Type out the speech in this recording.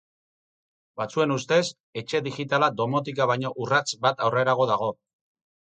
Batzuen ustez, etxe digitala domotika baino urrats bat aurrerago dago.